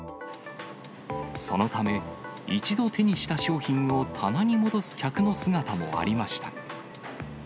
そのため、一度手にした商品を、棚に戻す客の姿もありました。